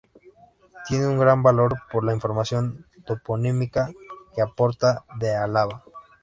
Tiene un gran valor por la información toponímica que aporta de Álava.